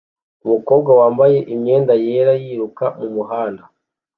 Umukobwa wambaye imyenda yera yiruka mumuhanda